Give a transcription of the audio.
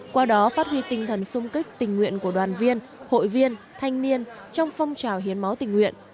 qua đó phát huy tinh thần sung kích tình nguyện của đoàn viên hội viên thanh niên trong phong trào hiến máu tình nguyện